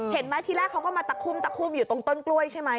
เห็นไหมที่แรกเขาก็มาตะคุ่มตะคุ่มอยู่ตรงต้นกล้วยใช่ไหม